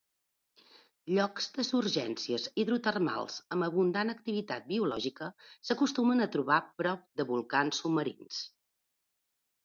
Llocs de surgències hidrotermals amb abundant activitat biològica s'acostumen a trobar prop de volcans submarins.